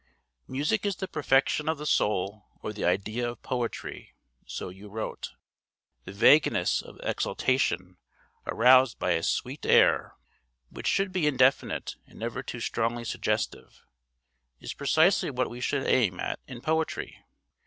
'Music is the perfection of the soul or the idea of poetry,' so you wrote; 'the vagueness of exaltation aroused by a sweet air (which should be indefinite and never too strongly suggestive), is precisely what we should aim at in poetry.'